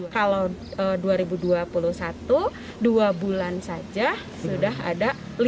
kalau dua ribu dua puluh satu dua bulan saja sudah ada